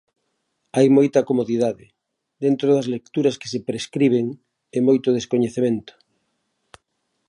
Hai moita comodidade, dentro das lecturas que se prescriben, e moito descoñecemento.